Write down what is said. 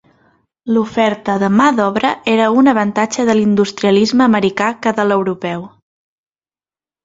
L'oferta de mà d'obra era un avantatge de l'industrialisme americà que de l'europeu.